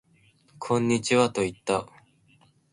こんにちはと言った